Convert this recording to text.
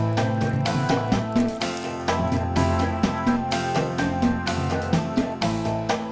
saya informasikan dia tuh dia satu satunya